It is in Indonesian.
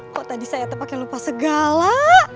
kok tadi saya tepaknya lupa segala